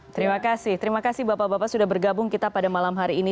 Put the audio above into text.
terima kasih terima kasih bapak bapak sudah bergabung kita pada malam hari ini